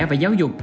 và giáo dục